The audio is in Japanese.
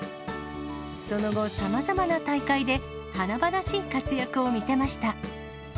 その後、さまざまな大会で華々しい活躍を見せました。